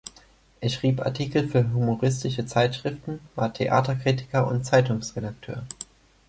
Er schrieb Artikel für humoristische Zeitschriften, war Theaterkritiker und Zeitungsredakteur.